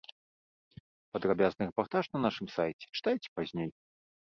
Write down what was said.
Падрабязны рэпартаж на нашым сайце чытайце пазней.